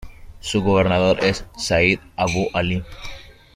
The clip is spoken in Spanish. Su gobernador es Said Abu Alí.